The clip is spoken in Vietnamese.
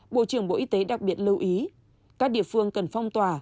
bộ trưởng bộ y tế đặc biệt lưu ý các địa phương cần phong tỏa